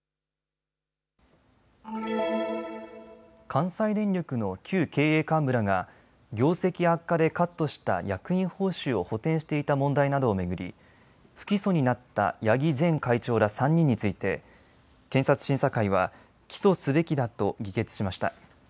関西電力の旧経営幹部らが業績悪化でカットした役員報酬を補填していた問題などを巡り不起訴になった八木前会長ら３人について検察審査会は起訴すべきだと議決しました。